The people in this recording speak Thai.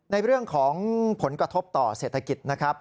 ในเรื่องของผลกระทบต่อเศรษฐกิจนะครับ